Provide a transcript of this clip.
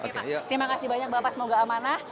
terima kasih banyak bapak semoga amanah